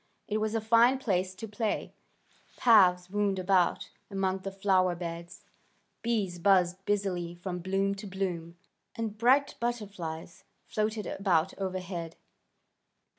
It was a fine place to play. Paths wound about among the flower beds. Bees buzzed busily from bloom to bloom, and bright butterflies floated about overhead.